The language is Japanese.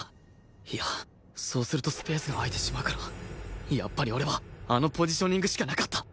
いやそうするとスペースが空いてしまうからやっぱり俺はあのポジショニングしかなかった